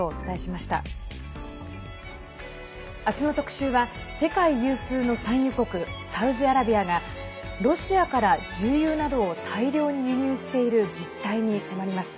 明日の特集は、世界有数の産油国サウジアラビアがロシアから、重油などを大量に輸入している実態に迫ります。